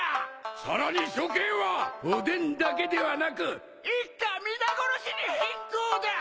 さらに処刑はおでんだけではなく一家皆殺しに変更だ！